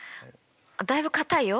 だいぶかたいよ。